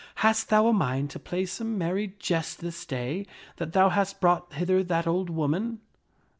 Hast thou a mind to play some merry jest this day that thou hast brought hither that old woman?"